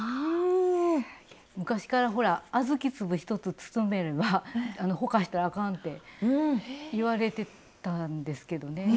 昔からほらあずき粒１つ包めればほかしたらあかんって言われてたんですけどね。